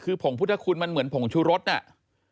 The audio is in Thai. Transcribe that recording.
คือผงพุทธคุณเหมือนผงชุฤทธิ์